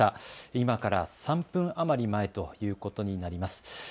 今から３分余り前ということになります。